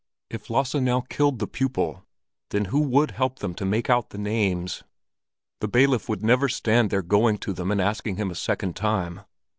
If Lasse now killed the pupil, then who would help them to make out the names? The bailiff would never stand their going to him and asking him a second time.